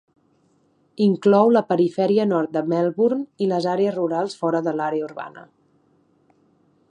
Inclou la perifèria nord de Melbourne i les àrees rurals fora de l'àrea urbana.